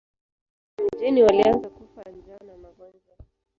Watu wa mjini walianza kufa njaa na magonjwa.